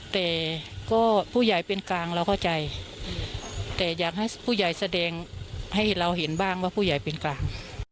แต่ก็ผู้ใหญ่เป็นกลางเราเข้าใจแต่อยากให้ผู้ใหญ่แสดงให้เราเห็นบ้างว่าผู้ใหญ่เป็นกลาง